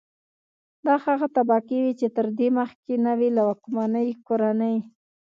دا هغه طبقې وې چې تر دې مخکې نه وې لکه واکمنې کورنۍ.